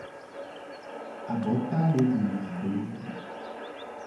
Abota le du mable.